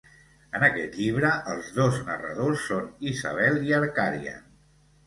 En aquest llibre, els dos narradors són Isabel y Arkarian.